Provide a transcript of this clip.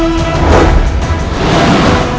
aku tidak mau berpikir seperti itu